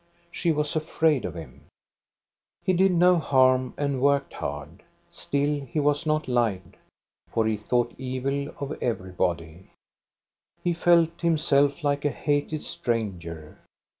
She was afraid of him. He did no harm, and worked hard. Still he was not liked, for he thought evil of everybody. He felt himself like a hated stranger.